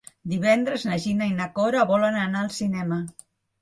Divendres na Gina i na Cora volen anar al cinema.